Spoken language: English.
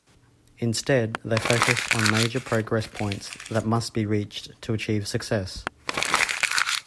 Instead, they focus on major progress points that must be reached to achieve success.